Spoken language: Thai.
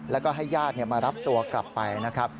แล้วก็ให้ญาติมารับตัวกลับไปนะครับ